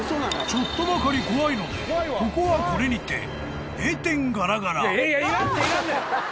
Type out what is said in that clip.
［ちょっとばかり怖いのでここはこれにて閉店ガラガラ］